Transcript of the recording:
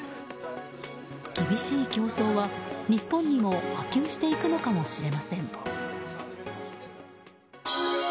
厳しい競争は日本にも波及していくのかもしれません。